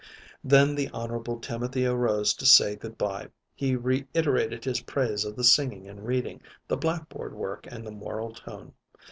Then the Honorable Timothy arose to say good by. He reiterated his praise of the singing and reading, the blackboard work and the moral tone.